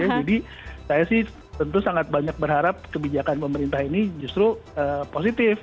jadi saya sih tentu sangat banyak berharap kebijakan pemerintah ini justru positif